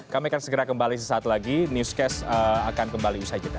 kami akan segera kembali sesaat lagi newscast akan kembali usai jeda